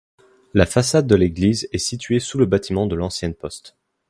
La façade de l’église est située sous le bâtiment de l'ancienne Poste.